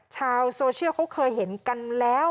ชาวโซเชียลเขาเคยเห็นกันแล้ว